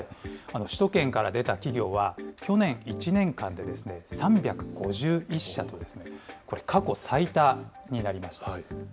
首都圏から出た企業は、去年１年間で３５１社と、これ、過去最多になりました。